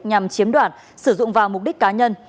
nhằm chiếm đoạt sử dụng vào mục đích cá nhân